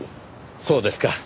そうですか。